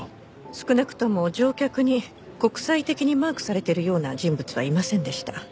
少なくとも乗客に国際的にマークされてるような人物はいませんでした。